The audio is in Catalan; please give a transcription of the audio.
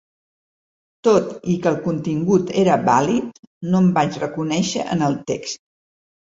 Tot i que el contingut era vàlid, no em vaig reconèixer en el text.